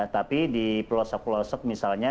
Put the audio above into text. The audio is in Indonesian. tapi di pelosok pelosok misalnya